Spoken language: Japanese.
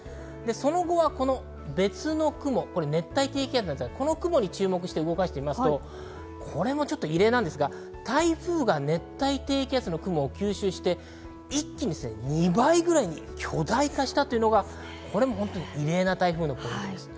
その後は別の雲、熱帯低気圧なんですがこの雲に注目して見ていくと、これも異例なんですが、台風が熱帯低気圧の雲を吸収して、一気に２倍くらいに巨大化したというのがこれも本当に異例な台風です。